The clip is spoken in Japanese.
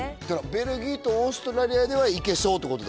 ベルギーとオーストラリアではいけそうって事だね